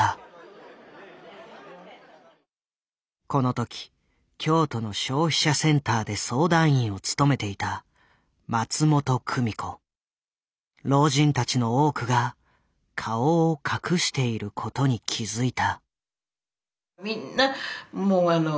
この時京都の消費者センターで相談員を務めていた老人たちの多くが顔を隠していることに気付いた。